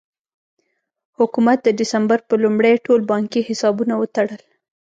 حکومت د ډسمبر په لومړۍ ټول بانکي حسابونه وتړل.